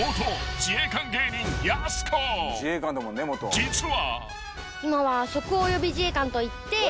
［実は］